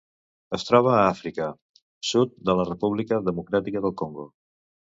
Es troba a Àfrica: sud de la República Democràtica del Congo.